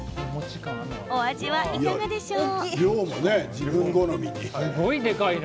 お味はいかがでしょう？